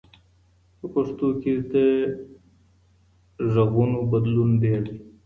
په پښتو کي د ږغونو بدلون ډېر دی.